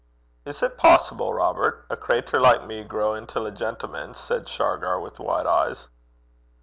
'Is 't poassible, Robert? A crater like me grow intil a gentleman?' said Shargar, with wide eyes.